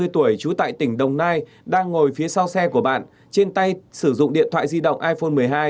ba mươi tuổi trú tại tỉnh đồng nai đang ngồi phía sau xe của bạn trên tay sử dụng điện thoại di động iphone một mươi hai